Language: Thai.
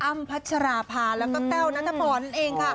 พัชราภาแล้วก็แต้วนัทพรนั่นเองค่ะ